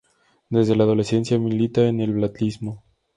Desde la adolescencia milita en el Batllismo.